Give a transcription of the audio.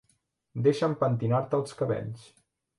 Deixa'm pentinar-te els cabells.